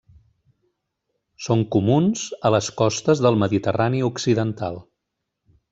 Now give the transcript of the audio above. Són comuns a les costes del Mediterrani Occidental.